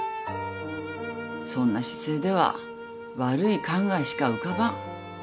そんな姿勢では悪い考えしか浮かばん。